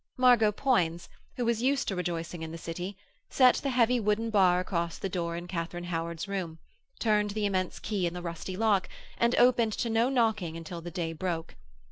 Margot Poins, who was used to rejoicings in the City, set the heavy wooden bar across the door in Katharine Howard's room, turned the immense key in the rusty lock, and opened to no knocking until the day broke.